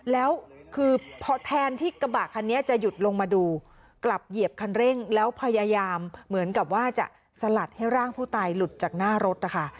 แล้วคือพอแทนที่กระบะคันนี้จะหยุดลงมาดูกลับเหยียบคันเร่งแล้วพยายามเหมือนกับว่าจะสลัดให้ร่างผู้ตายหลุดจากหน้ารถนะคะ